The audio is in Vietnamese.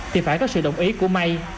thì phải có sự đồng ý của may